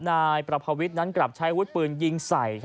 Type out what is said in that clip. นายประภาวิทย์นั้นกลับใช้อาวุธปืนยิงใส่